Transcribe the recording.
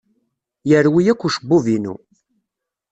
Yerwi akk ucebbub-inu.